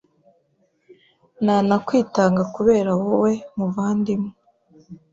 nanakwitanga kubera wowe, muvandimwe